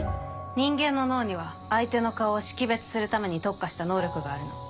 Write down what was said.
人間の脳には相手の顔を識別するために特化した能力があるの。